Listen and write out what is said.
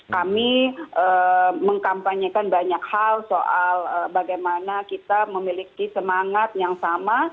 kami mengkampanyekan banyak hal soal bagaimana kita memiliki semangat yang sama